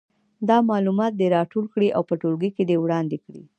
دا معلومات دې راټول کړي او په ټولګي کې دې وړاندې کړي.